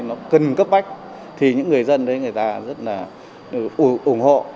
nó cần cấp bách thì những người dân đấy người ta rất là ủng hộ